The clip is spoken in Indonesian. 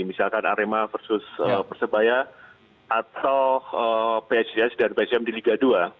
misalkan arema versus persebaya atau pss dan psm di liga dua